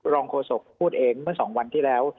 ลองโฆษกะพูดเองเมื่อสองวันที่แล้ว